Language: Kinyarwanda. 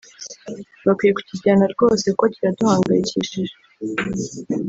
Bakwiye kukijyana rwose kuko kiraduhangayikishije”